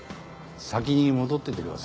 先に戻っててください。